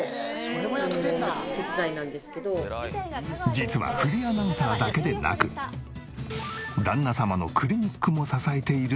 実はフリーアナウンサーだけでなく旦那様のクリニックも支えている中野アナ。